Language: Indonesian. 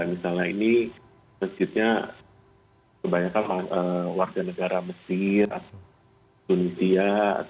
misalnya ini masjidnya kebanyakan warga negara mesir tunisia